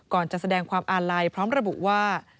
ก่อนจะแสดงความอาลัยพร้อมระบุว่า